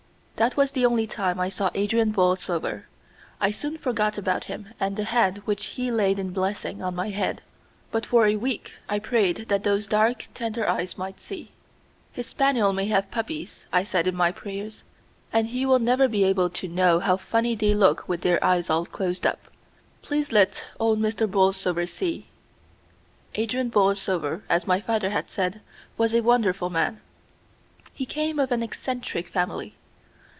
That was the only time I saw Adrian Borlsover. I soon forgot about him and the hand which he laid in blessing on my head. But for a week I prayed that those dark tender eyes might see. "His spaniel may have puppies," I said in my prayers, "and he will never be able to know how funny they look with their eyes all closed up. Please let old Mr. Borlsover see." Adrian Borlsover, as my father had said, was a wonderful man. He came of an eccentric family.